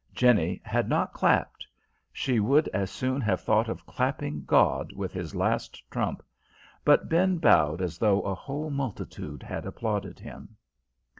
Jenny had not clapped she would as soon have thought of clapping God with His last trump but Ben bowed as though a whole multitude had applauded him.